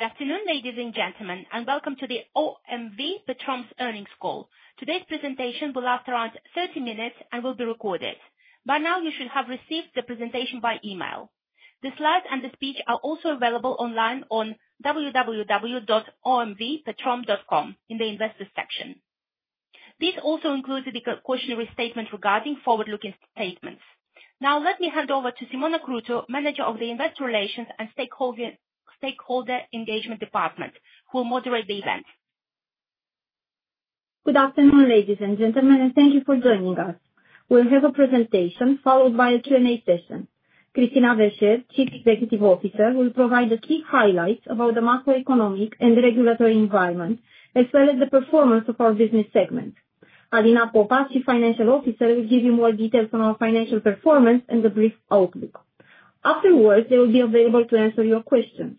Good afternoon, ladies and gentlemen, and welcome to the OMV Petrom's earnings call. Today's presentation will last around 30 minutes and will be recorded. By now, you should have received the presentation by email. The slides and the speech are also available online on www.omvpetrom.com in the investors' section. This also includes the questionnaire statement regarding forward-looking statements. Now, let me hand over to Simona Cruțu, Manager of the Investor Relations and Stakeholder Engagement Department, who will moderate the event. Good afternoon, ladies and gentlemen, and thank you for joining us. We'll have a presentation followed by a Q&A session. Christina Verchere, Chief Executive Officer, will provide the key highlights about the macroeconomic and regulatory environment, as well as the performance of our business segment. Alina Popa, Chief Financial Officer, will give you more details on our financial performance and the brief outlook. Afterwards, they will be available to answer your questions.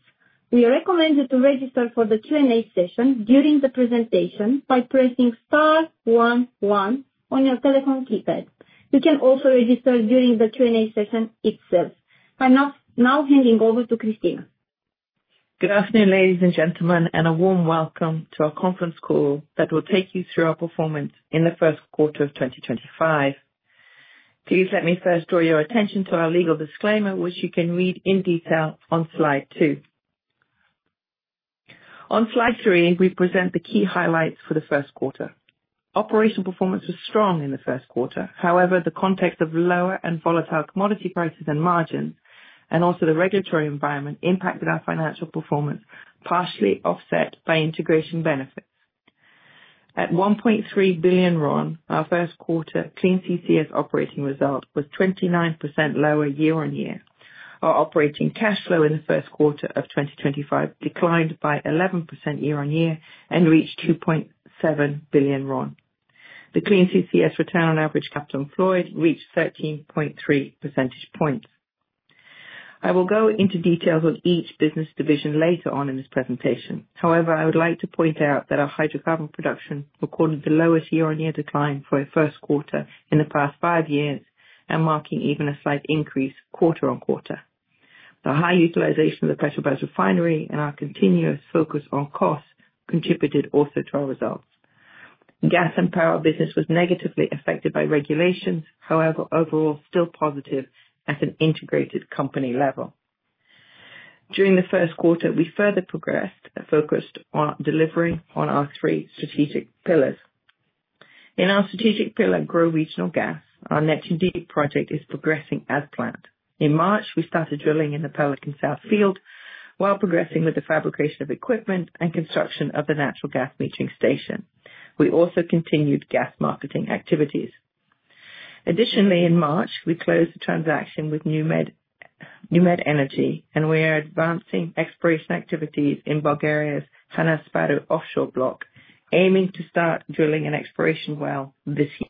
We recommend you to register for the Q&A session during the presentation by pressing star one one on your telephone keypad. You can also register during the Q&A session itself. I'm now handing over to Christina. Good afternoon, ladies and gentlemen, and a warm welcome to our conference call that will take you through our performance in the first quarter of 2025. Please let me first draw your attention to our legal disclaimer, which you can read in detail on slide two. On slide three, we present the key highlights for the first quarter. Operational performance was strong in the first quarter. However, the context of lower and volatile commodity prices and margins, and also the regulatory environment, impacted our financial performance, partially offset by integration benefits. At RON 1.3 billion, our first quarter Clean CCS Operating Result was 29% lower year-on-year. Our operating cash flow in the first quarter of 2025 declined by 11% year-on-year and reached RON 2.7 billion. The Clean CCS Return on Average Capital Employed reached 13.3 percentage points. I will go into details with each business division later on in this presentation. However, I would like to point out that our hydrocarbon production recorded the lowest year-on-year decline for a first quarter in the past five years, and marking even a slight increase quarter on quarter. The high utilization of the Petrobrazi refinery and our continuous focus on costs contributed also to our results. Gas and power business was negatively affected by regulations. However, overall, still positive at an integrated company level. During the first quarter, we further progressed and focused on delivering on our three strategic pillars. In our strategic pillar, grow regional gas, our Neptun Deep project is progressing as planned. In March, we started drilling in the Pelican South field while progressing with the fabrication of equipment and construction of the natural gas metering station. We also continued gas marketing activities. Additionally, in March, we closed the transaction with NewMed Energy, and we are advancing exploration activities in Bulgaria's Han Asparuh offshore block, aiming to start drilling an exploration well this year.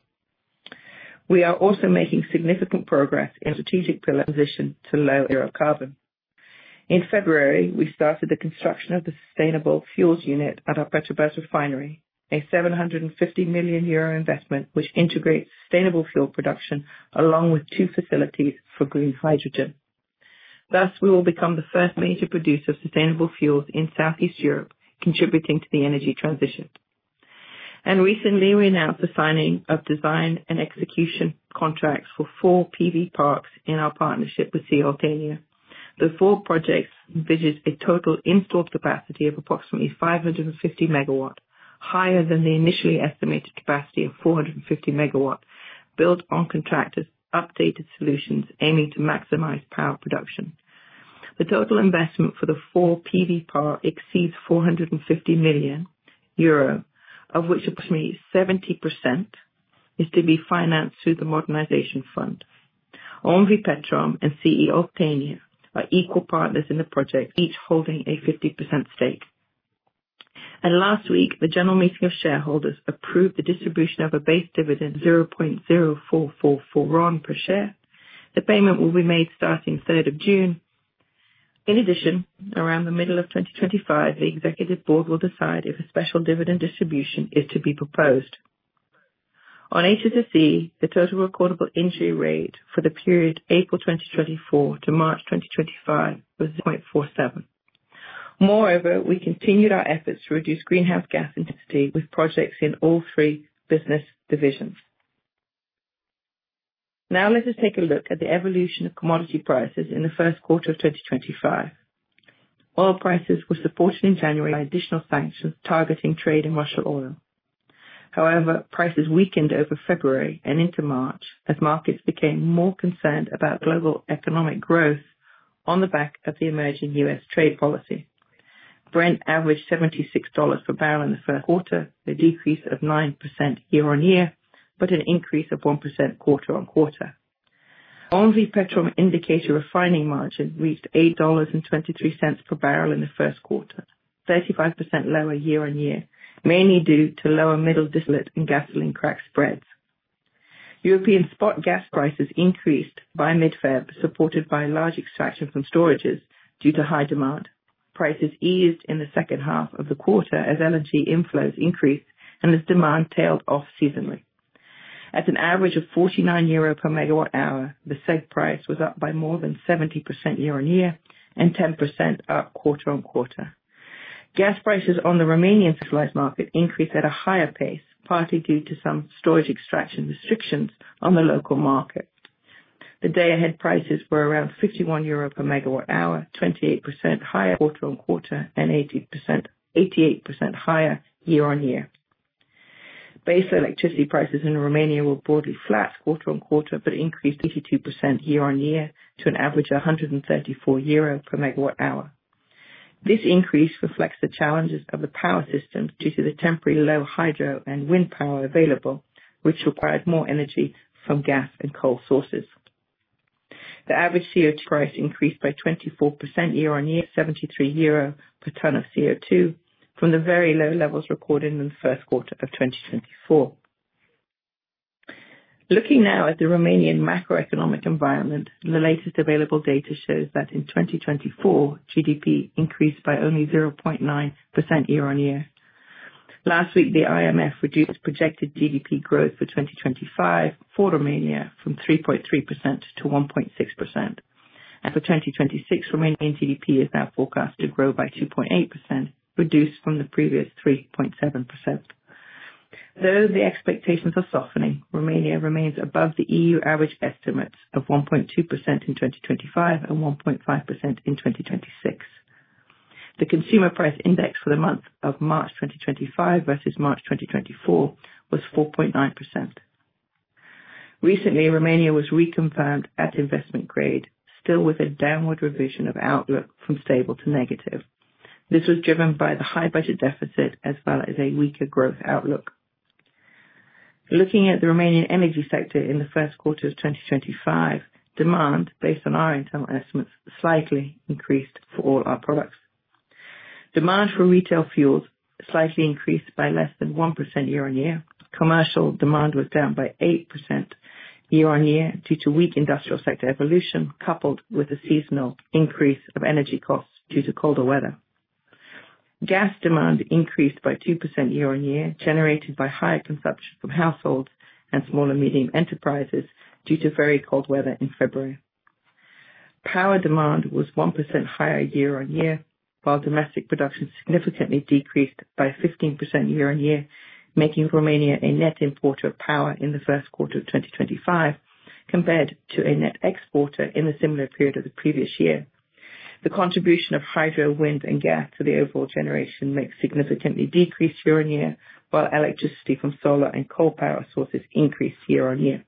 We are also making significant progress in strategic pillar transition to low-zero carbon. In February, we started the construction of the sustainable fuels unit at our Petrobrazi refinery, a 750 million euro investment which integrates sustainable fuel production along with two facilities for green hydrogen. Thus, we will become the first major producer of sustainable fuels in Southeast Europe, contributing to the energy transition. Recently, we announced the signing of design and execution contracts for four PV parks in our partnership with CE Oltenia. The four projects envisage a total installed capacity of approximately 550 MW, higher than the initially estimated capacity of 450 MW, built on contractors' updated solutions aiming to maximize power production. The total investment for the four PV parks exceeds 450 million euro, of which approximately 70% is to be financed through the Modernization Fund. OMV Petrom and CE Oltenia are equal partners in the project, each holding a 50% stake. Last week, the General Meeting of Shareholders approved the distribution of a base dividend of RON 0.0444 per share. The payment will be made starting the 3rd of June. In addition, around the middle of 2025, the Executive Board will decide if a special dividend distribution is to be proposed. On HSSE, the total recordable injury rate for the period April 2024 to March 2025 was 0.47. Moreover, we continued our efforts to reduce greenhouse gas intensity with projects in all three business divisions. Now, let us take a look at the evolution of commodity prices in the first quarter of 2025. Oil prices were supported in January by additional sanctions targeting trade in Russian oil. However, prices weakened over February and into March as markets became more concerned about global economic growth on the back of the emerging U.S. trade policy. Brent averaged $76 per barrel in the first quarter, a decrease of 9% year-on-year, but an increase of 1% quarter on quarter. OMV Petrom Indicator Refining Margin reached $8.23 per barrel in the first quarter, 35% lower year-on-year, mainly due to lower middle distillate and gasoline crack spreads. European spot gas prices increased by mid-February, supported by large extraction from storages due to high demand. Prices eased in the second half of the quarter as energy inflows increased and as demand tailed off seasonally. At an average of 49 euro per megawatt hour, the CEGH price was up by more than 70% year-on-year and 10% up quarter on quarter. Gas prices on the Romanian supplies market increased at a higher pace, partly due to some storage extraction restrictions on the local market. The day-ahead prices were around 51 euro per megawatt hour, 28% higher quarter on quarter and 88% higher year-on-year. Baseline electricity prices in Romania were broadly flat quarter on quarter, but increased 82% year-on-year to an average of 134 euro per megawatt hour. This increase reflects the challenges of the power system due to the temporary low hydro and wind power available, which required more energy from gas and coal sources. The average CO2 price increased by 24% year-on-year, 73 euro per ton of CO2, from the very low levels recorded in the first quarter of 2024. Looking now at the Romanian macroeconomic environment, the latest available data shows that in 2024, GDP increased by only 0.9% year-on-year. Last week, the IMF reduced projected GDP growth for 2025 for Romania from 3.3% to 1.6%. For 2026, Romanian GDP is now forecast to grow by 2.8%, reduced from the previous 3.7%. Though the expectations are softening, Romania remains above the EU average estimates of 1.2% in 2025 and 1.5% in 2026. The consumer price index for the month of March 2025 versus March 2024 was 4.9%. Recently, Romania was reconfirmed at investment grade, still with a downward revision of outlook from stable to negative. This was driven by the high budget deficit as well as a weaker growth outlook. Looking at the Romanian energy sector in the first quarter of 2025, demand, based on our internal estimates, slightly increased for all our products. Demand for retail fuels slightly increased by less than 1% year-on-year. Commercial demand was down by 8% year-on-year due to weak industrial sector evolution, coupled with a seasonal increase of energy costs due to colder weather. Gas demand increased by 2% year-on-year, generated by higher consumption from households and small and medium enterprises due to very cold weather in February. Power demand was 1% higher year-on-year, while domestic production significantly decreased by 15% year-on-year, making Romania a net importer of power in the first quarter of 2025, compared to a net exporter in the similar period of the previous year. The contribution of hydro, wind, and gas to the overall generation mix significantly decreased year-on-year, while electricity from solar and coal power sources increased year-on-year.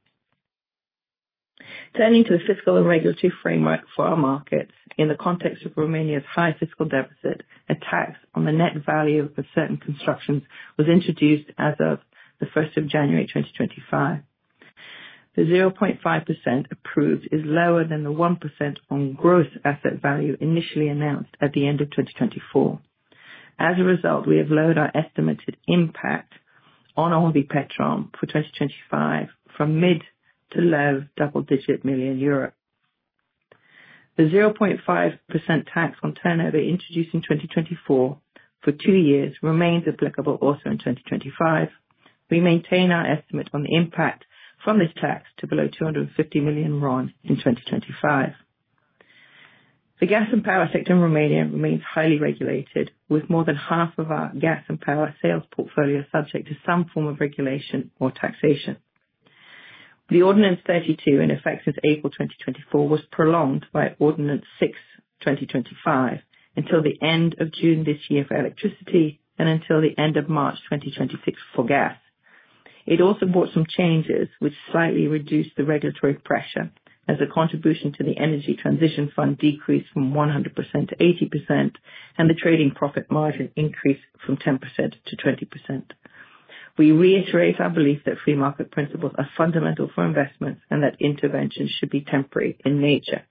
Turning to the fiscal and regulatory framework for our markets, in the context of Romania's high fiscal deficit, a tax on the net value of certain constructions was introduced as of the 1st of January 2025. The 0.5% approved is lower than the 1% on gross asset value initially announced at the end of 2024. As a result, we have lowered our estimated impact on OMV Petrom for 2025 from mid to low double-digit million euro. The 0.5% tax on turnover introduced in 2024 for two years remains applicable also in 2025. We maintain our estimate on the impact from this tax to below RON 250 million in 2025. The gas and power sector in Romania remains highly regulated, with more than half of our gas and power sales portfolio subject to some form of regulation or taxation. The Ordinance 32, in effect since April 2024, was prolonged by Ordinance 6, 2025, until the end of June this year for electricity and until the end of March 2026 for gas. It also brought some changes, which slightly reduced the regulatory pressure, as the contribution to the Energy Transition Fund decreased from 100% to 80%, and the trading profit margin increased from 10% to 20%. We reiterate our belief that free market principles are fundamental for investments and that interventions should be temporary in nature.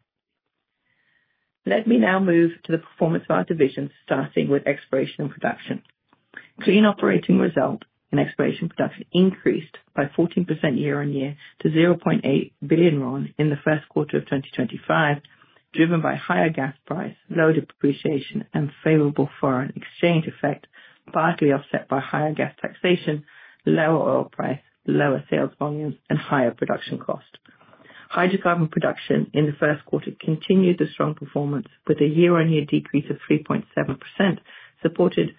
Let me now move to the performance of our divisions, starting with exploration and production. Clean operating result in exploration and production increased by 14% year-on-year to RON 0.8 billion in the first quarter of 2025, driven by higher gas price, low depreciation, and favorable foreign exchange effect, partly offset by higher gas taxation, lower oil price, lower sales volumes, and higher production costs. Hydrocarbon production in the first quarter continued the strong performance, with a year-on-year decrease of 3.7%, supported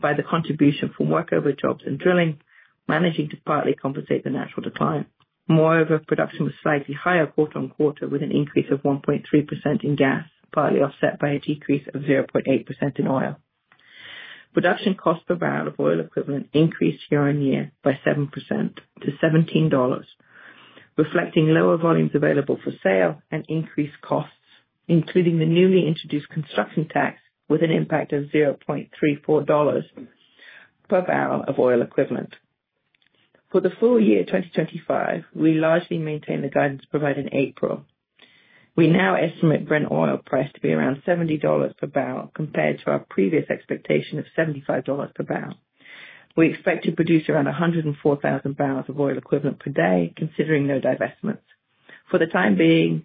by the contribution from workover jobs and drilling, managing to partly compensate the natural decline. Moreover, production was slightly higher quarter on quarter, with an increase of 1.3% in gas, partly offset by a decrease of 0.8% in oil. Production cost per barrel of oil equivalent increased year-on-year by 7% to $17, reflecting lower volumes available for sale and increased costs, including the newly introduced construction tax, with an impact of $0.34 per barrel of oil equivalent. For the full year 2025, we largely maintain the guidance provided in April. We now estimate Brent oil price to be around $70 per barrel, compared to our previous expectation of $75 per barrel. We expect to produce around 104,000 barrels of oil equivalent per day, considering no divestments. For the time being,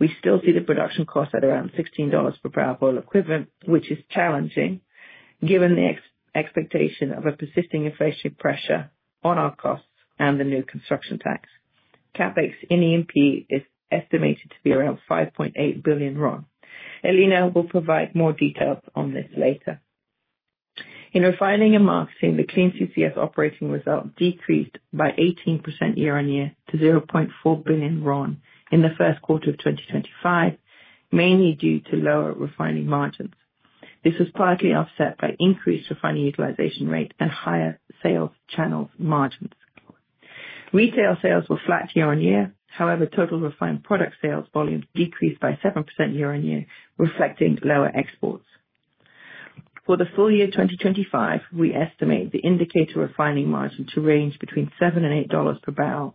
we still see the production cost at around $16 per barrel of oil equivalent, which is challenging given the expectation of a persisting inflationary pressure on our costs and the new construction tax. CapEx in E&P is estimated to be around RON 5.8 billion. Alina will provide more details on this later. In refining and marketing, the Clean CCS Operating Result decreased by 18% year-on-year to RON 0.4 billion in the first quarter of 2025, mainly due to lower refining margins. This was partly offset by increased refining utilization rate and higher sales channel margins. Retail sales were flat year-on-year; however, total refined product sales volume decreased by 7% year-on-year, reflecting lower exports. For the full year 2025, we estimate the Indicator Refining Margin to range between $7 and $8 per barrel.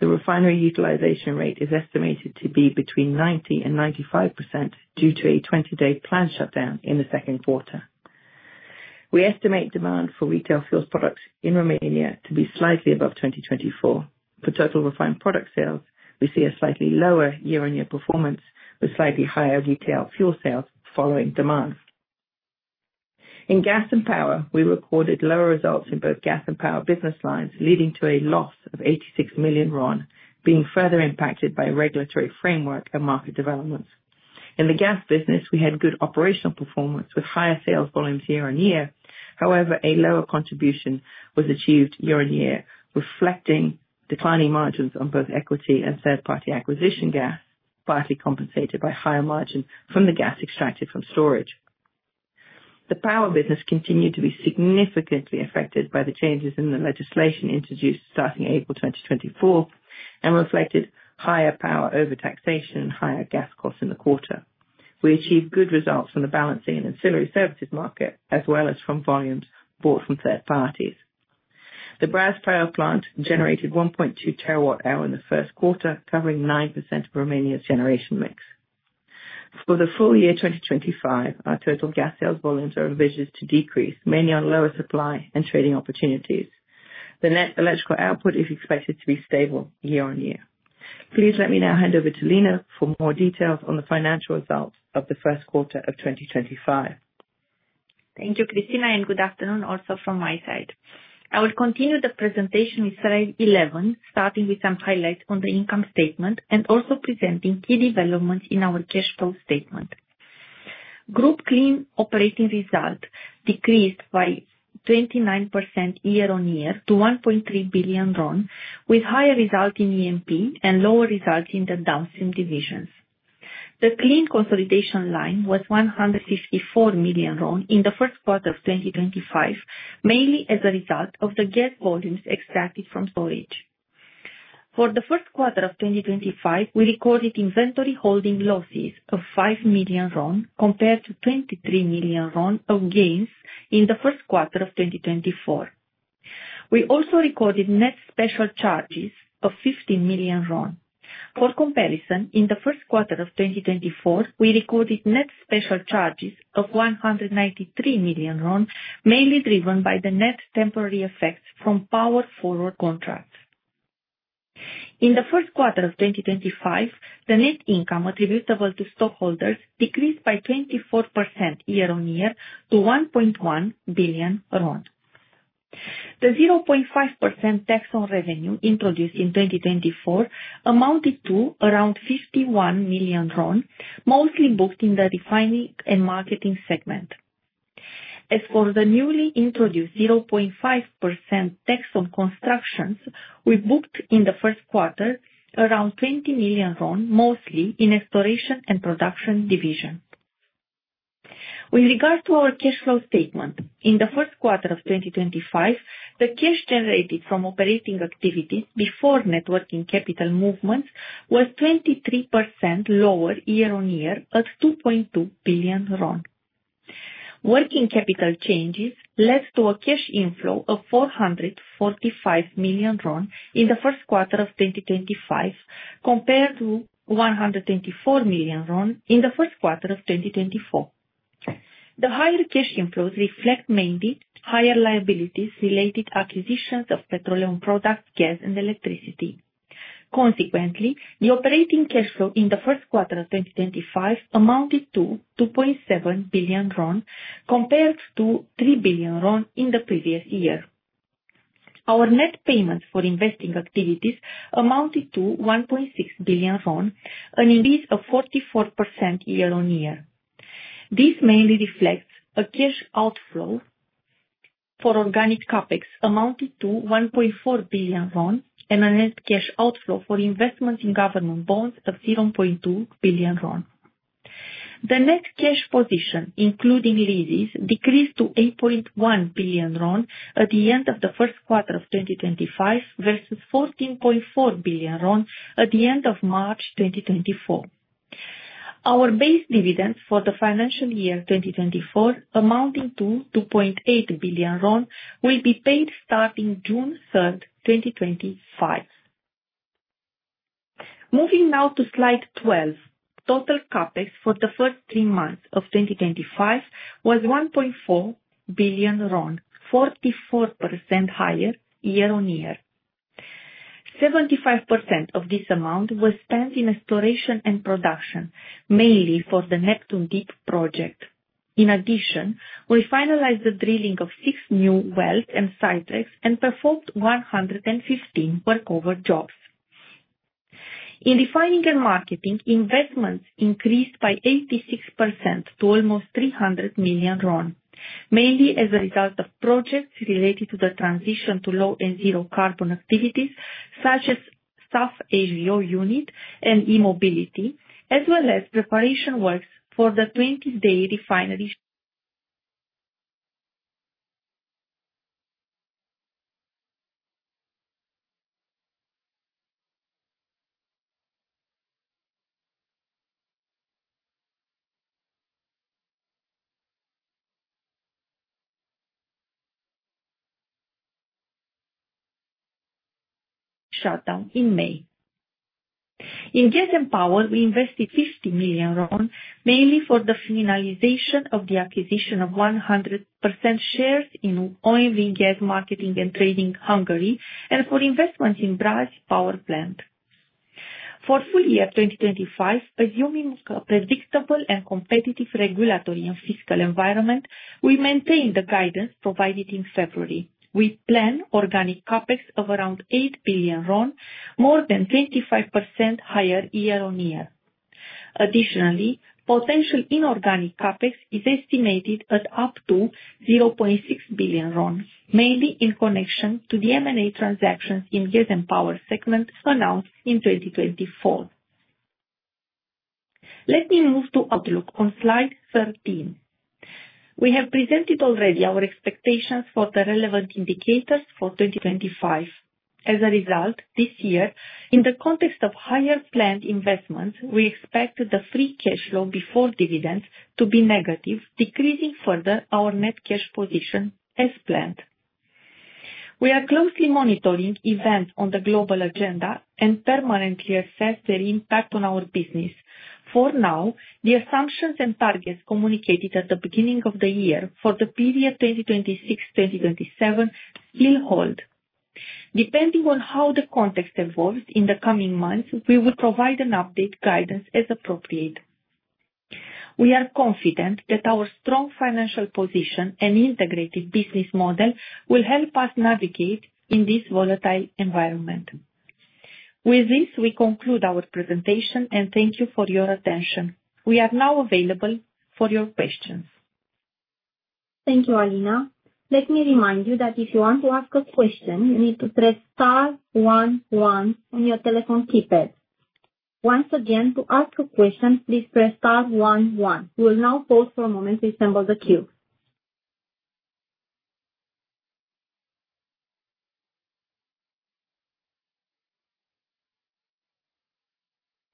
The refinery utilization rate is estimated to be between 90% and 95% due to a 20-day planned shutdown in the second quarter. We estimate demand for retail fuels products in Romania to be slightly above 2024. For total refined product sales, we see a slightly lower year-on-year performance, with slightly higher retail fuel sales following demand. In gas and power, we recorded lower results in both gas and power business lines, leading to a loss of RON 86 million, being further impacted by regulatory framework and market developments. In the gas business, we had good operational performance with higher sales volumes year-on-year; however, a lower contribution was achieved year-on-year, reflecting declining margins on both equity and third-party acquisition gas, partly compensated by higher margins from the gas extracted from storage. The power business continued to be significantly affected by the changes in the legislation introduced starting April 2024 and reflected higher power overtaxation and higher gas costs in the quarter. We achieved good results on the balancing and ancillary services market, as well as from volumes bought from third parties. The Brazi Power Plant generated 1.2 TWh in the first quarter, covering 9% of Romania's generation mix. For the full year 2025, our total gas sales volumes are envisioned to decrease, mainly on lower supply and trading opportunities. The net electrical output is expected to be stable year-on-year. Please let me now hand over to Alina for more details on the financial results of the first quarter of 2025. Thank you, Christina, and good afternoon also from my side. I will continue the presentation with slide 11, starting with some highlights on the income statement and also presenting key developments in our cash flow statement. Group clean operating result decreased by 29% year-on-year to RON 1.3 billion, with higher result in E&P and lower result in the downstream divisions. The clean consolidation line was RON 154 million in the first quarter of 2025, mainly as a result of the gas volumes extracted from storage. For the first quarter of 2025, we recorded inventory holding losses of RON 5 million, compared to RON 23 million of gains in the first quarter of 2024. We also recorded net special charges of RON 15 million. For comparison, in the first quarter of 2024, we recorded net special charges of RON 193 million, mainly driven by the net temporary effects from power forward contracts. In the first quarter of 2025, the net income attributable to stockholders decreased by 24% year-on-year to RON 1.1 billion. The 0.5% tax on revenue introduced in 2024 amounted to around RON 51 million, mostly booked in the refining and marketing segment. As for the newly introduced 0.5% tax on constructions, we booked in the first quarter around RON 20 million, mostly in the exploration and production division. With regard to our cash flow statement, in the first quarter of 2025, the cash generated from operating activities before net working capital movements was 23% lower year-on-year at RON 2.2 billion. Working capital changes led to a cash inflow of RON 445 million in the first quarter of 2025, compared to RON 124 million in the first quarter of 2024. The higher cash inflows reflect mainly higher liabilities related to acquisitions of petroleum products, gas, and electricity. Consequently, the operating cash flow in the first quarter of 2025 amounted to RON 2.7 billion, compared to RON 3 billion in the previous year. Our net payments for investing activities amounted to RON 1.6 billion, an increase of 44% year-on-year. This mainly reflects a cash outflow for organic CapEx amounted to RON 1.4 billion and a net cash outflow for investment in government bonds of RON 0.2 billion. The net cash position, including leases, decreased to RON 8.1 billion at the end of the first quarter of 2025 versus RON 14.4 billion at the end of March 2024. Our base dividends for the financial year 2024, amounting to RON 2.8 billion, will be paid starting June 3rd, 2025. Moving now to slide 12, total CapEx for the first three months of 2025 was RON 1.4 billion, 44% higher year-on-year. 75% of this amount was spent in exploration and production, mainly for the Neptun Deep project. In addition, we finalized the drilling of six new wells and side tracks and performed 115 workover jobs. In refining and marketing, investments increased by 86% to almost RON 300 million, mainly as a result of projects related to the transition to low and zero carbon activities, such as SAF/HVO unit and e-mobility, as well as preparation works for the 20-day refinery shutdown in May. In gas and power, we invested RON 50 million, mainly for the finalization of the acquisition of 100% shares in OMV Gas Marketing and Trading Hungary and for investments in Brazi Power Plant. For full year 2025, assuming a predictable and competitive regulatory and fiscal environment, we maintain the guidance provided in February. We plan organic CapEx of around RON 8 billion, more than 25% higher year-on-year. Additionally, potential inorganic CapEx is estimated at up to RON 0.6 billion, mainly in connection to the M&A transactions in gas and power segment announced in 2024. Let me move to outlook on slide 13. We have presented already our expectations for the relevant indicators for 2025. As a result, this year, in the context of higher planned investments, we expect the free cash flow before dividends to be negative, decreasing further our net cash position as planned. We are closely monitoring events on the global agenda and permanently assess their impact on our business. For now, the assumptions and targets communicated at the beginning of the year for the period 2026-2027 still hold. Depending on how the context evolves in the coming months, we will provide an update guidance as appropriate. We are confident that our strong financial position and integrated business model will help us navigate in this volatile environment. With this, we conclude our presentation, and thank you for your attention. We are now available for your questions. Thank you, Alina. Let me remind you that if you want to ask a question, you need to press star one one on your telephone keypad. Once again, to ask a question, please press star one one. We will now pause for a moment to assemble the queue.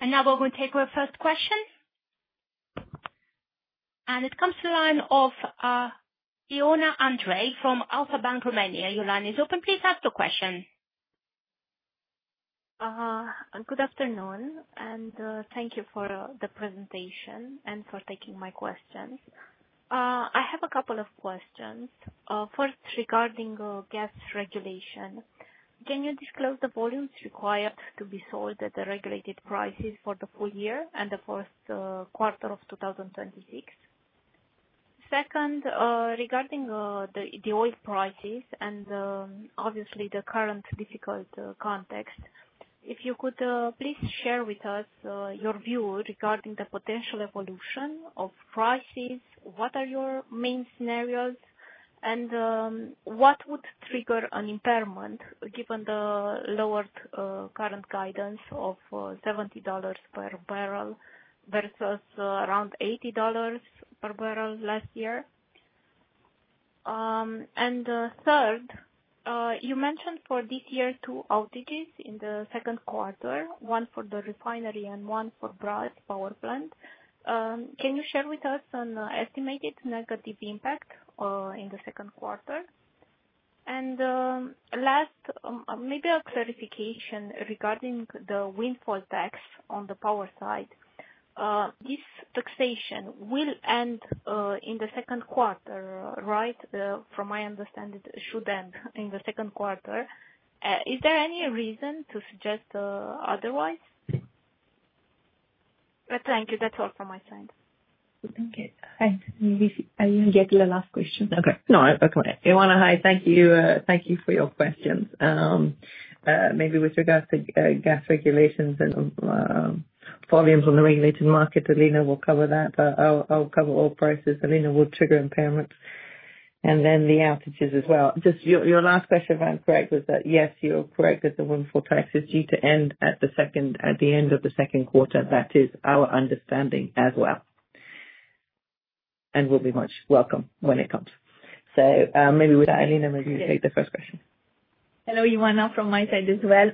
Now we are going to take our first question. It comes to the line of Ioana Andrei from Alpha Bank Romania. Your line is open. Please ask the question. Good afternoon, and thank you for the presentation and for taking my questions. I have a couple of questions. First, regarding gas regulation, can you disclose the volumes required to be sold at the regulated prices for the full year and the first quarter of 2026? Second, regarding the oil prices and obviously the current difficult context, if you could please share with us your view regarding the potential evolution of prices, what are your main scenarios, and what would trigger an impairment given the lowered current guidance of $70 per barrel versus around $80 per barrel last year? Third, you mentioned for this year two outages in the second quarter, one for the refinery and one for Brazi Power Plant. Can you share with us an estimated negative impact in the second quarter? Last, maybe a clarification regarding the windfall tax on the power side. This taxation will end in the second quarter, right? From my understanding, it should end in the second quarter. Is there any reason to suggest otherwise? Thank you. That's all from my side. Thank you. I didn't get to the last question. Okay. No, I'm okay. Ioana, hi. Thank you for your questions. Maybe with regards to gas regulations. Some volumes on the regulated market. Alina will cover that. I'll cover oil prices. Alina will trigger impairments. And then the outages as well. Just your last question, if I'm correct, was that yes, you're correct that the windfall tax is due to end at the end of the second quarter. That is our understanding as well. It will be much welcome when it comes. Maybe Alina, maybe you take the first question. Hello, Ioana, from my side as well.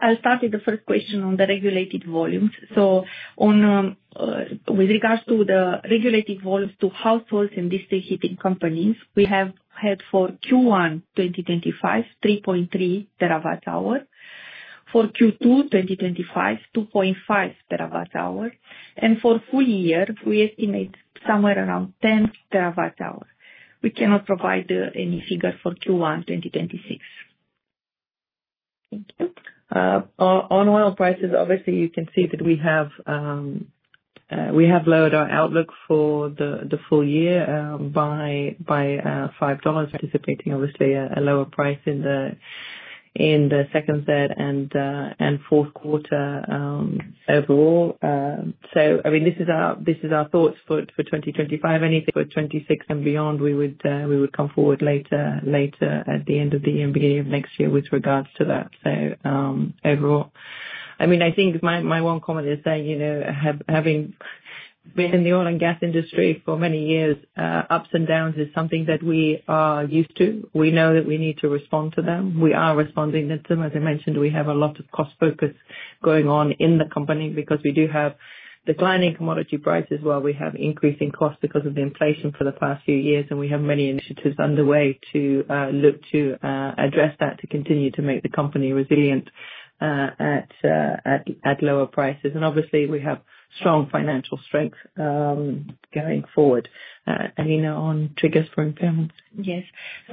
I'll start with the first question on the regulated volumes. With regards to the regulated volumes to households and district heating companies, we have had for Q1 2025, 3.3 TWh. For Q2 2025, 2.5 TWh. For full year, we estimate somewhere around 10 TWh. We cannot provide any figure for Q1 2026. Thank you. On oil prices, obviously, you can see that we have lowered our outlook for the full year by $5. Anticipating, obviously, a lower price in the second set and fourth quarter overall. I mean, this is our thoughts for 2025. Anything for 2026 and beyond, we would come forward later at the end of the year and beginning of next year with regards to that. Overall, I mean, I think my one comment is that having been in the oil and gas industry for many years, ups and downs is something that we are used to. We know that we need to respond to them. We are responding to them. As I mentioned, we have a lot of cost focus going on in the company because we do have declining commodity prices while we have increasing costs because of the inflation for the past few years. We have many initiatives underway to look to address that to continue to make the company resilient at lower prices. Obviously, we have strong financial strength going forward. Alina, on triggers for impairments. Yes.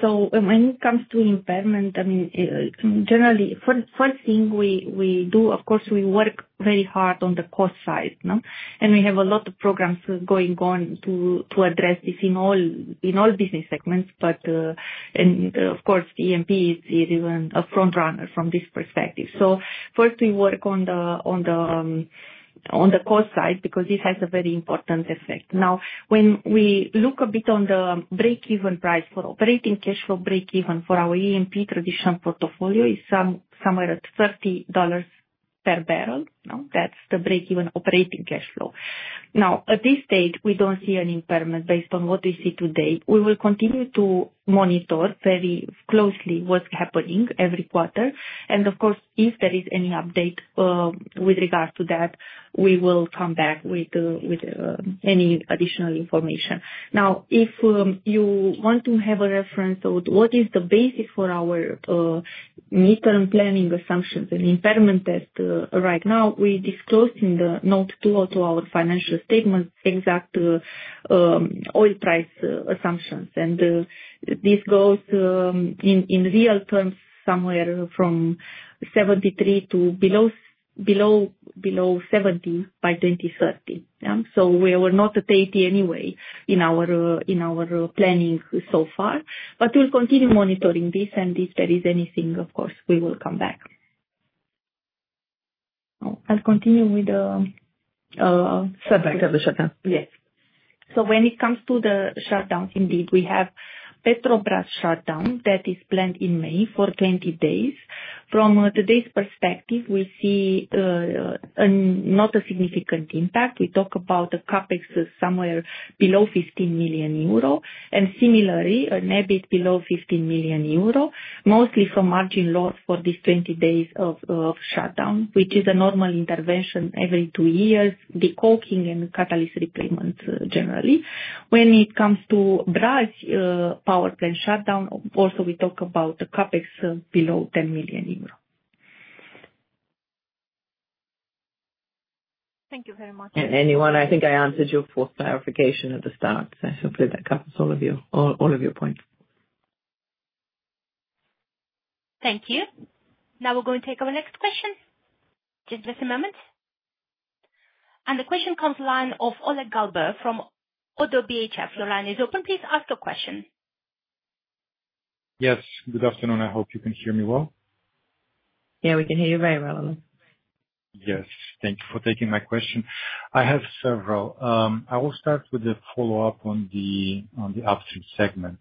When it comes to impairment, I mean, generally, first thing we do, of course, we work very hard on the cost side. We have a lot of programs going on to address this in all business segments. Of course, E&P is even a front runner from this perspective. First, we work on the cost side because this has a very important effect. Now, when we look a bit on the break-even price for operating cash flow break-even for our E&P traditional portfolio, it's somewhere at $30 per barrel. That's the break-even operating cash flow. At this stage, we don't see an impairment based on what we see today. We will continue to monitor very closely what's happening every quarter. Of course, if there is any update with regards to that, we will come back with any additional information. If you want to have a reference of what is the basis for our midterm planning assumptions and impairment test right now, we disclose in Note 202 of our financial statements exact oil price assumptions. This goes in real terms somewhere from $73 to below $70 by 2030. We were not at 80 anyway in our planning so far. We will continue monitoring this. If there is anything, of course, we will come back. I'll continue with the. Shutdown. Yes. When it comes to the shutdowns, indeed, we have Petrobrazi shutdown that is planned in May for 20 days. From today's perspective, we see not a significant impact. We talk about the CapEx is somewhere below 15 million euro and similarly, a net below 15 million euro, mostly from margin loss for these 20 days of shutdown, which is a normal intervention every two years, decoking and catalyst replacement generally. When it comes to Brazi Power Plant shutdown, also we talk about the CapEx below 10 million euros. Thank you very much. Ioana, I think I answered your fourth clarification at the start. Hopefully, that covers all of your points. Thank you. Now we're going to take our next question. Just a moment. The question comes live from Oleg Galbur from ODDO BHF. Your line is open? Please ask a question. Yes. Good afternoon. I hope you can hear me well. Yeah, we can hear you very well, Oleg. Yes. Thank you for taking my question. I have several. I will start with the follow-up on the upstream segment.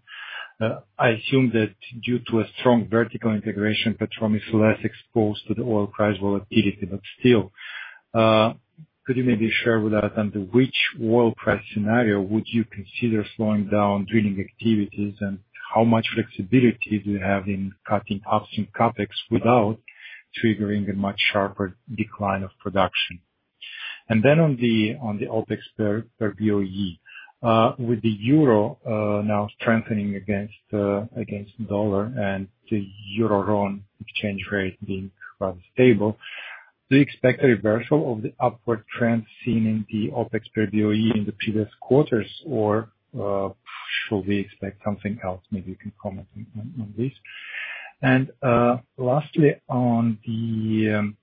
I assume that due to a strong vertical integration, Petrom is less exposed to the oil price volatility. Still, could you maybe share with us under which oil price scenario you would consider slowing down drilling activities and how much flexibility you have in cutting upstream CapEx without triggering a much sharper decline of production? Then on the OpEx per BOE, with the euro now strengthening against the dollar and the euro/RON exchange rate being rather stable, do you expect a reversal of the upward trend seen in the OpEx per BOE in the previous quarters, or should we expect something else? Maybe you can comment on this. Lastly, on the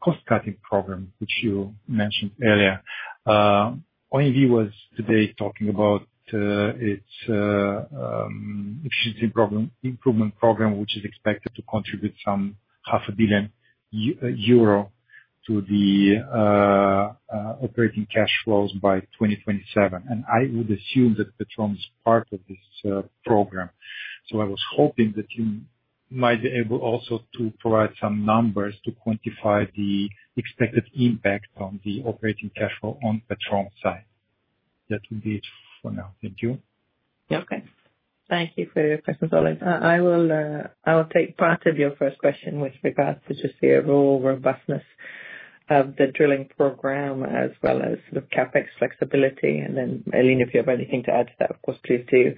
cost-cutting program, which you mentioned earlier, OMV was today talking about its efficiency improvement program, which is expected to contribute some 500 million euro to the operating cash flows by 2027. I would assume that Petrom is part of this program. I was hoping that you might be able also to provide some numbers to quantify the expected impact on the operating cash flow on Petrom's side. That would be it for now. Thank you. Okay. Thank you for your questions, Oleg. I will take part of your first question with regards to just the overall robustness of the drilling program as well as sort of CapEx flexibility. Alina, if you have anything to add to that, of course, please do.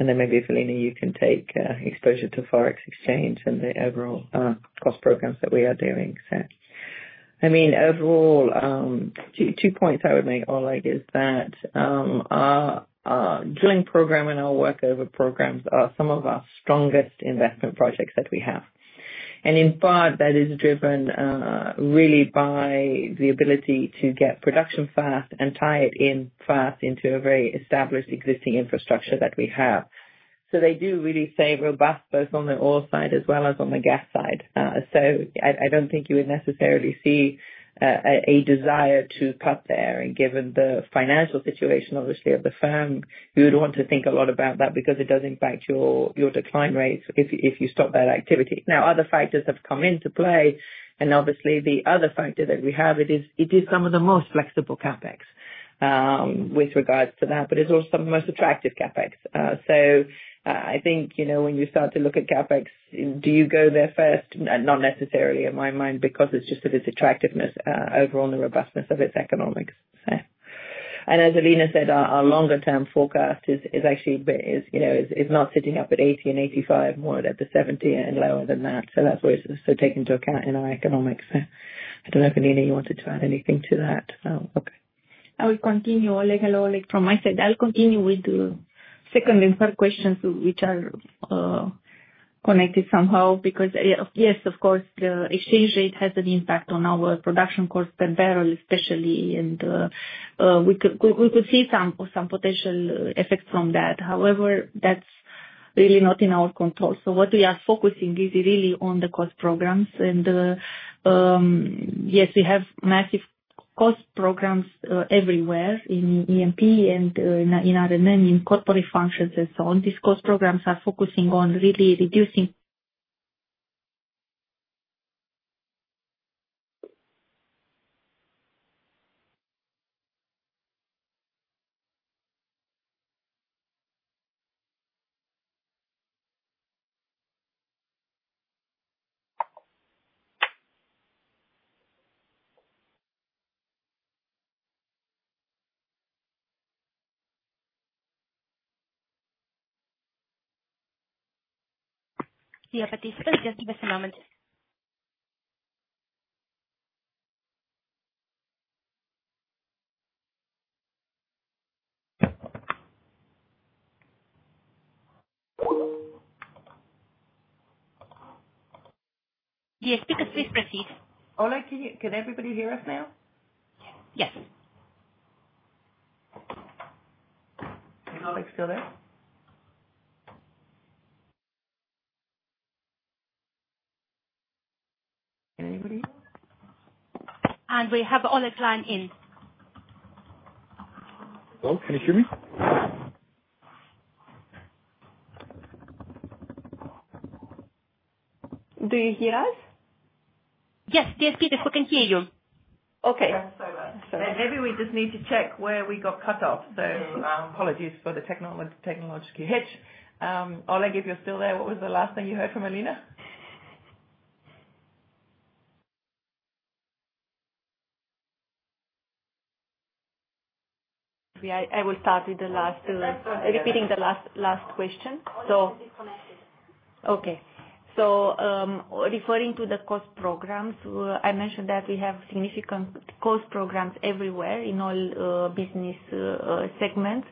Maybe if Alina, you can take exposure to Forex exchange and the overall cost programs that we are doing. I mean, overall, two points I would make, Oleg, is that our drilling program and our workover programs are some of our strongest investment projects that we have. In part, that is driven really by the ability to get production fast and tie it in fast into a very established existing infrastructure that we have. They do really stay robust both on the oil side as well as on the gas side. I do not think you would necessarily see a desire to cut there. Given the financial situation, obviously, of the firm, you would want to think a lot about that because it does impact your decline rates if you stop that activity. Other factors have come into play. Obviously, the other factor that we have, it is some of the most flexible CapEx with regards to that, but it's also some of the most attractive CapEx. I think when you start to look at CapEx, do you go there first? Not necessarily, in my mind, because it's just of its attractiveness overall and the robustness of its economics. As Alina said, our longer-term forecast is actually not sitting up at 80 and 85, more at the 70 and lower than that. That's why it's also taken into account in our economics. I don't know if Alina, you wanted to add anything to that. Okay. I will continue. Oleg, hello. From my side, I'll continue with the second and third questions, which are connected somehow because, yes, of course, the exchange rate has an impact on our production cost per barrel, especially. We could see some potential effects from that. However, that's really not in our control. What we are focusing is really on the cost programs. Yes, we have massive cost programs everywhere in EMP and in R&M, in corporate functions and so on. These cost programs are focusing on really reducing. Yes, please proceed. Oleg, can everybody hear us now? Yes. Is Oleg still there? Can anybody hear us? We have Oleg line in. Oh, can you hear me? Do you hear us? Yes, please, please. We can hear you. Okay. Maybe we just need to check where we got cut off. Apologies for the technological hitch. Oleg, if you're still there, what was the last thing you heard from Alina? I will start with the last, repeating the last question. Referring to the cost programs, I mentioned that we have significant cost programs everywhere in all business segments.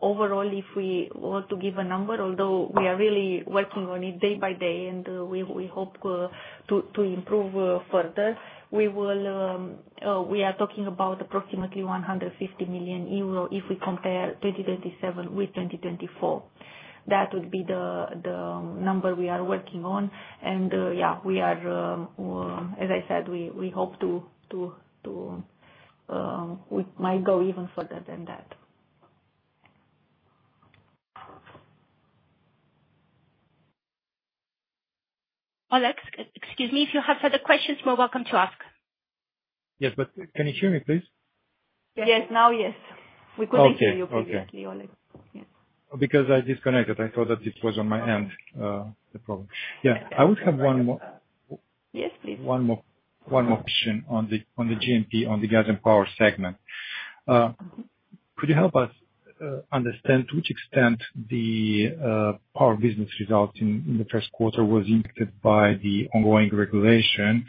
Overall, if we were to give a number, although we are really working on it day by day and we hope to improve further, we are talking about approximately 150 million euro if we compare 2027 with 2024. That would be the number we are working on. As I said, we hope it might go even further than that. Oleg, excuse me. If you have further questions, you're welcome to ask. Yes, but can you hear me, please? Yes, now, yes. We could not hear you previously, Oleg. Because I disconnected. I thought that this was on my end, the problem. Yeah. I would have one more. Yes, please. One more question on the GMP on the gas and power segment. Could you help us understand to which extent the power business result in the first quarter was impacted by the ongoing regulation?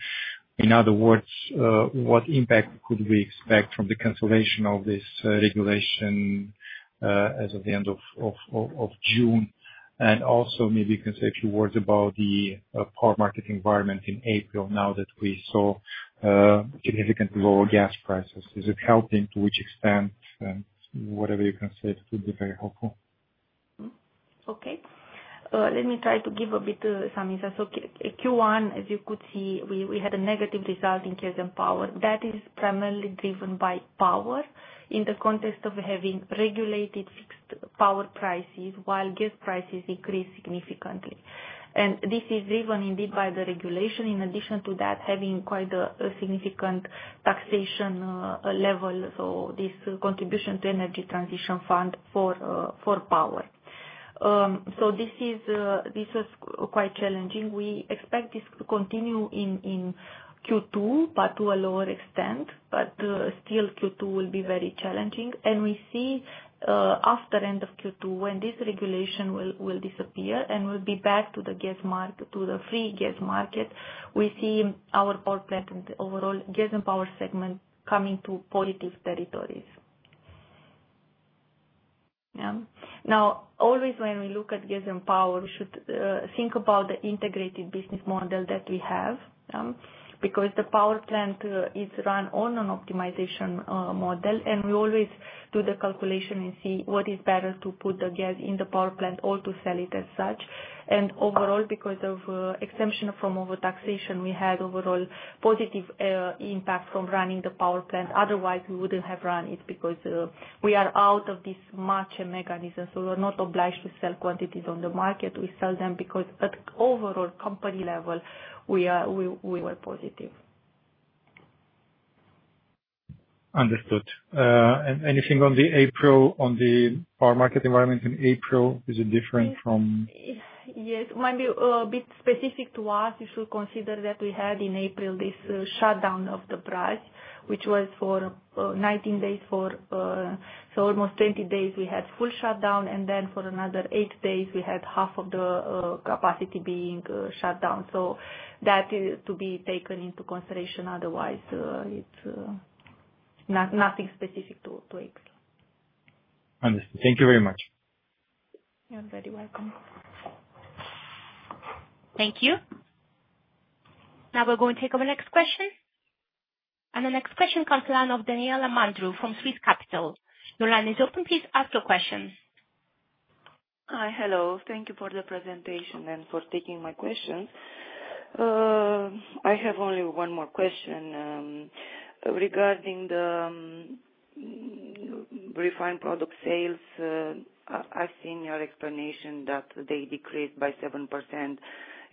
In other words, what impact could we expect from the cancellation of this regulation as of the end of June? Also maybe you can say a few words about the power market environment in April now that we saw significantly lower gas prices. Is it helping to which extent? Whatever you can say, it would be very helpful. Okay. Let me try to give a bit of some insights. Q1, as you could see, we had a negative result in gas and power. That is primarily driven by power in the context of having regulated fixed power prices while gas prices increased significantly. This is driven indeed by the regulation. In addition to that, having quite a significant taxation level, this contribution to Energy Transition Fund for power. This was quite challenging. We expect this to continue in Q2, but to a lower extent. Q2 will be very challenging. We see after end of Q2 when this regulation will disappear and will be back to the free gas market, we see our power plant and overall gas and power segment coming to positive territories. Now, always when we look at gas and power, we should think about the integrated business model that we have because the power plant is run on an optimization model. We always do the calculation and see what is better, to put the gas in the power plant or to sell it as such. Overall, because of exemption from overtaxation, we had an overall positive impact from running the power plant. Otherwise, we would not have run it because we are out of this margin mechanism. We are not obliged to sell quantities on the market. We sell them because at overall company level, we were positive. Understood. Anything on the April, on the power market environment in April, is it different from— Yes. It might be a bit specific to us. You should consider that we had in April this shutdown of the Brazi, which was for 19 days. Almost 20 days, we had full shutdown. For another eight days, we had half of the capacity being shut down. So that is to be taken into consideration. Otherwise, it's nothing specific to April. Understood. Thank you very much. You're very welcome. Thank you. Now we're going to take our next question. The next question comes to the line of Daniela Mandru from Swiss Capital. Ioana, is it open? Please ask your question. Hi, hello. Thank you for the presentation and for taking my questions. I have only one more question regarding the refined product sales. I've seen your explanation that they decreased by 7%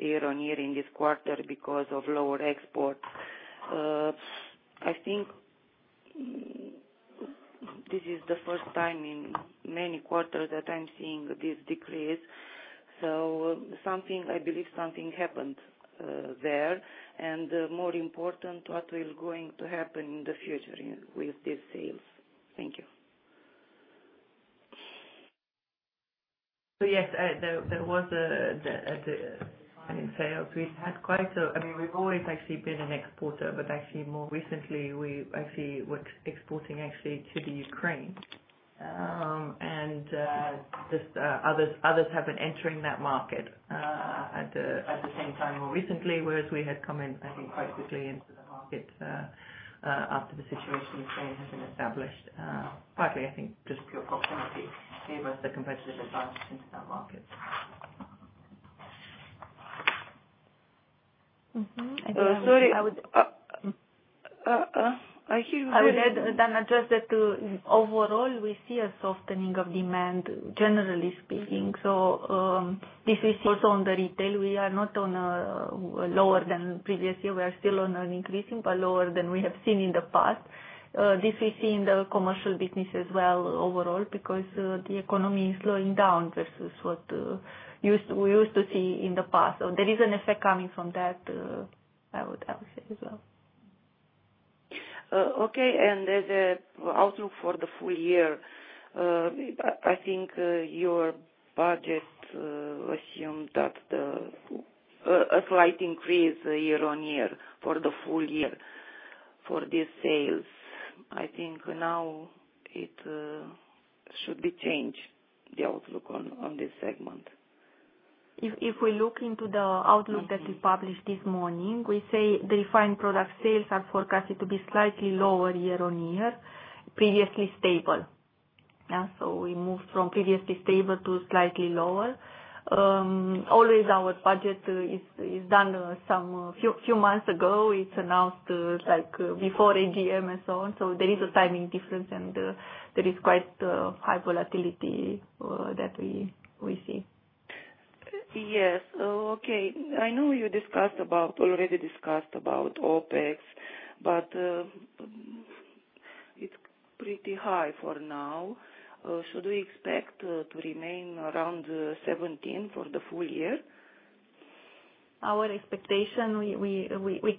year on year in this quarter because of lower exports. I think this is the first time in many quarters that I'm seeing this decrease. I believe something happened there. More important, what will going to happen in the future with these sales? Thank you. Yes, there was a decrease in sales. We've had quite a—I mean, we've always actually been an exporter, but actually more recently, we actually were exporting actually to Ukraine. Others have been entering that market at the same time more recently, whereas we had come in, I think, quite quickly into the market after the situation in Ukraine had been established. Partly, I think, just pure proximity gave us the competitive advantage into that market. I think I would add that overall, we see a softening of demand, generally speaking. This we see also on the retail. We are not on a lower than previous year. We are still on an increasing, but lower than we have seen in the past. This we see in the commercial business as well overall because the economy is slowing down versus what we used to see in the past. There is an effect coming from that, I would say, as well. Okay. As an outlook for the full year, I think your budget assumed that a slight increase year on year for the full year for these sales. I think now it should be changed, the outlook on this segment. If we look into the outlook that we published this morning, we say the refined product sales are forecasted to be slightly lower year on year, previously stable. We moved from previously stable to slightly lower. Always our budget is done a few months ago. It is announced before AGM and so on. There is a timing difference, and there is quite high volatility that we see. Yes. Okay. I know you already discussed about OpEx, but it is pretty high for now. Should we expect to remain around 17 for the full year? Our expectation, we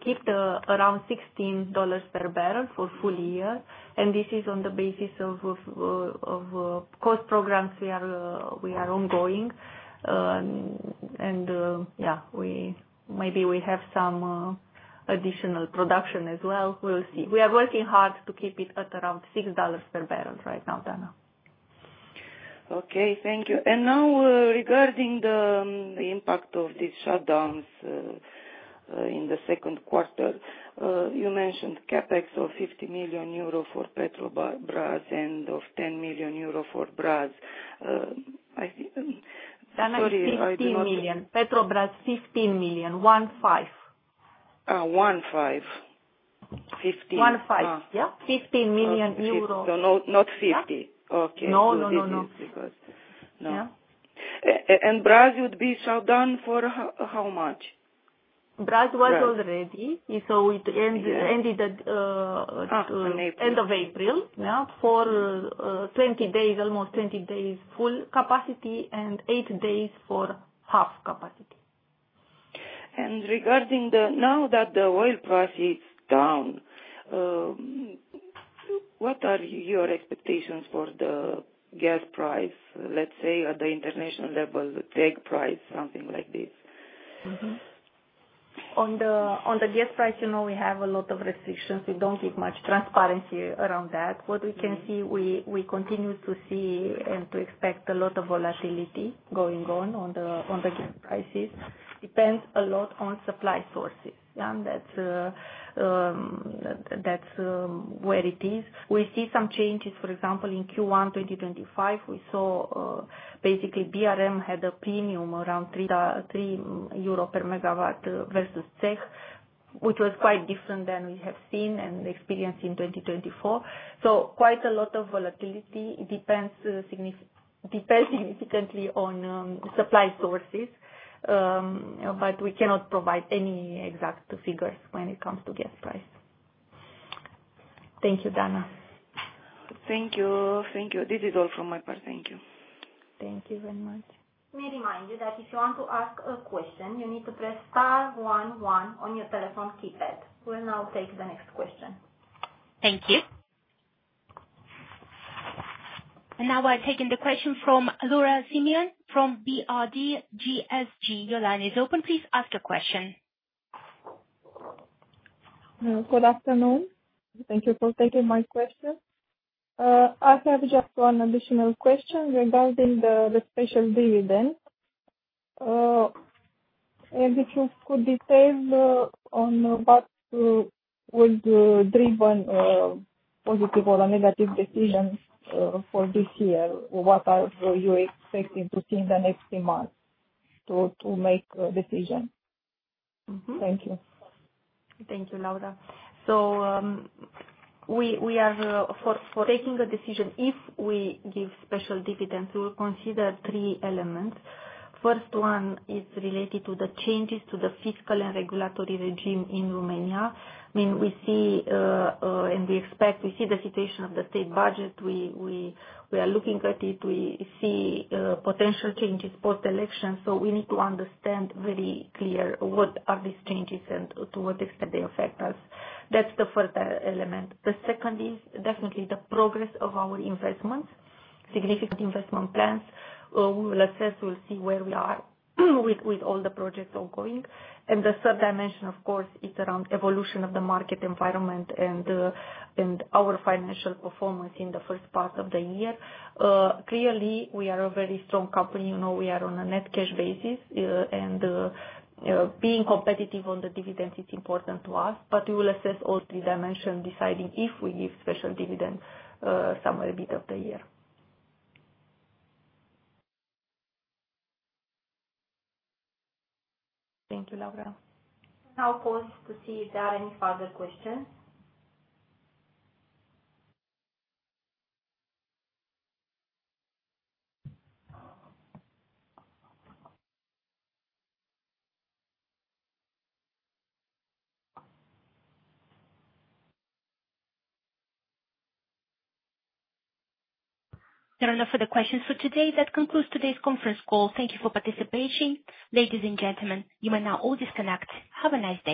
keep around $16 per barrel for full year. This is on the basis of cost programs we are ongoing. Yeah, maybe we have some additional production as well. We will see. We are working hard to keep it at around $6 per barrel right now, Dana. Okay. Thank you. Now regarding the impact of these shutdowns in the second quarter, you mentioned CapEx of EUR 15 million for Petrobrazi and of EUR 10 million for Brazi. I think— Dana, excuse me. EUR 15 million. Petrobrazi, EUR 15 million. One-five. One-five. 15 million. One-five. Yeah. 15 million. Not 50 million. Okay. No, no, no, no. Brazi would be shut down for how much? Brazi was already. It ended at the end of April for 20 days, almost 20 days full capacity and 8 days for half capacity. Regarding the now that the oil price is down, what are your expectations for the gas price, let's say, at the international level, the CEGH price, something like this? On the gas price, we have a lot of restrictions. We do not give much transparency around that. What we can see, we continue to see and to expect a lot of volatility going on on the gas prices. Depends a lot on supply sources. That is where it is. We see some changes. For example, in Q1 2025, we saw basically BRM had a premium around 3 euro per megawatt-hour versus [TTF], which was quite different than we have seen and experienced in 2024. Quite a lot of volatility. It depends significantly on supply sources, but we cannot provide any exact figures when it comes to gas price. Thank you, Dana. Thank you. Thank you. This is all from my part. Thank you. Thank you very much. May I remind you that if you want to ask a question, you need to press star one one on your telephone keypad. We'll now take the next question. Thank you. Now we're taking the question from Laura Simion from BRD GSG. Your line is open. Please ask a question. Good afternoon. Thank you for taking my question. I have just one additional question regarding the special dividend. If you could detail on what would drive positive or negative decisions for this year, what are you expecting to see in the next few months to make a decision? Thank you. Thank you, Laura. For taking a decision if we give special dividends, we will consider three elements. The first one is related to the changes to the fiscal and regulatory regime in Romania. I mean, we see and we expect. We see the situation of the state budget. We are looking at it. We see potential changes post-election. We need to understand very clear what are these changes and to what extent they affect us. That is the first element. The second is definitely the progress of our investments, significant investment plans. We will assess, we will see where we are with all the projects ongoing. The third dimension, of course, is around evolution of the market environment and our financial performance in the first part of the year. Clearly, we are a very strong company. We are on a net cash basis. Being competitive on the dividends, it is important to us. We will assess all three dimensions, deciding if we give special dividend somewhere mid of the year. Thank you, Laura. I will pause to see if there are any further questions. There are no further questions for today. That concludes today's conference call. Thank you for participating. Ladies and gentlemen, you may now all disconnect. Have a nice day.